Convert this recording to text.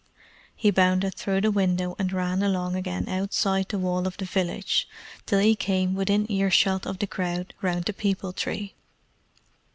He bounded through the window and ran along again outside the wall of the village till he came within ear shot of the crowd round the peepul tree.